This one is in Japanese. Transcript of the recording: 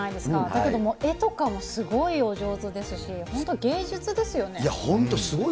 だけども、絵とかもすごいお上手ですし、いや、本当すごい。